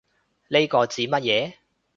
呢個指乜嘢